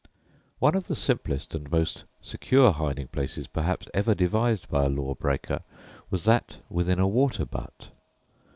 One of the simplest and most secure hiding places perhaps ever devised by a law breaker was that within a water butt!